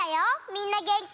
みんなげんき？